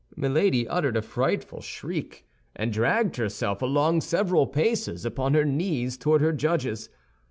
Milady uttered a frightful shriek, and dragged herself along several paces upon her knees toward her judges.